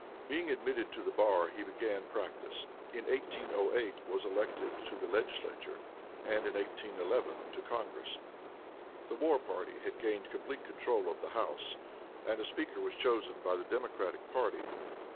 Being admitted to the bar he began practice; in 1808 was elected to the Legislature, and in 1811 to Congress. The war party had gained complete control of the House, and a speaker was chosen by the Democratic party.